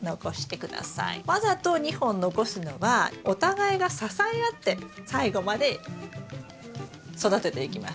わざと２本残すのはお互いが支え合って最後まで育てていきます。